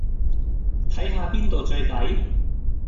睇吓邊度最抵